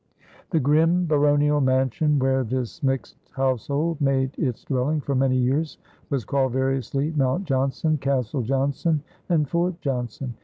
The grim baronial mansion where this mixed household made its dwelling for many years, was called variously Mount Johnson, Castle Johnson, and Fort Johnson.